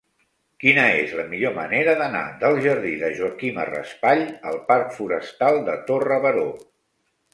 Quina és la millor manera d'anar del jardí de Joaquima Raspall al parc Forestal de Torre Baró?